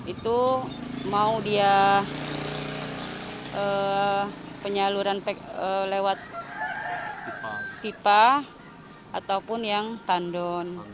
itu mau dia penyaluran lewat pipa ataupun yang tandon